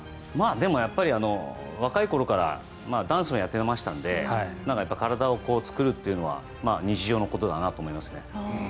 でも、やっぱり若い頃からダンスもやってましたので体を作るというのは日常のことだなと思いますね。